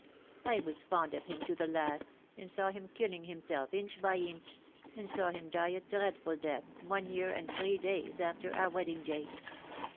I was fond of him to the last, and saw him killing himself inch by inch, and saw him die a dreadful death, one year and three days after our wedding day.